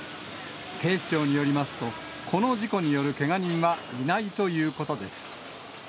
警視庁によりますと、この事故によるけが人はいないということです。